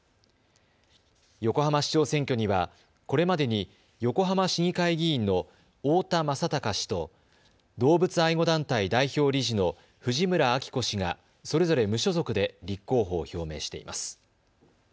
横浜市長選挙にはこれまでに横浜市議会議員の太田正孝氏と動物愛護団体代表理事の藤村晃子氏がそれぞれ無所属で立候補を表明しています。